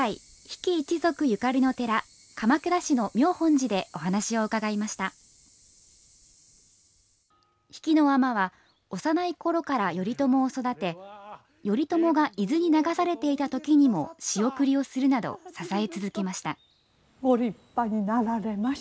比企尼は幼いころから頼朝を育て頼朝が伊豆に流されていたときにも仕送りをするなど支え続けました。